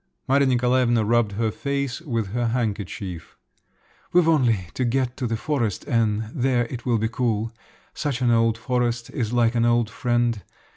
Maria Nikolaevna rubbed her face with her handkerchief. "We've only to get to the forest and there it will be cool. Such an old forest is like an old friend.